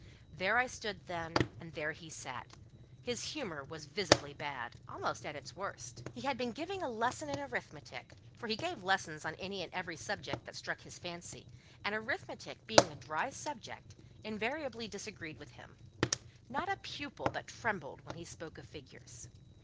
There I stood then, and there he sat; his humour was visibly bad—almost at its worst; he had been giving a lesson in arithmetic—for he gave lessons on any and every subject that struck his fancy—and arithmetic being a dry subject, invariably disagreed with him: not a pupil but trembled when he spoke of figures.